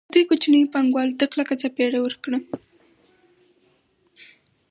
دوی کوچنیو پانګوالو ته کلکه څپېړه ورکړه